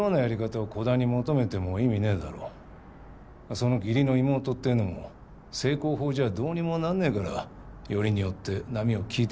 その義理の妹ってのも正攻法じゃどうにもなんねえからよりによって『波よ聞いてくれ』